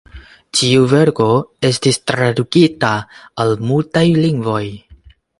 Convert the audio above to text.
Tiu verko estis tradukita al multaj lingvoj.